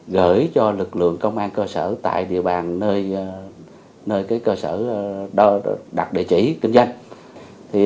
gửi cho lực lượng công an cơ sở tại địa bàn nơi cơ sở đặt địa chỉ kinh doanh